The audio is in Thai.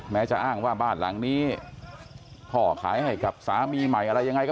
จะอ้างว่าบ้านหลังนี้พ่อขายให้กับสามีใหม่อะไรยังไงก็